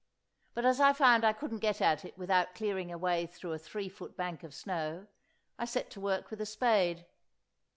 But as I found I couldn't get at it without clearing a way through a three foot bank of snow, I set to work with a spade.